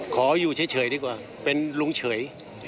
ขออยู่เฉยดีกว่าเป็นลุงเฉย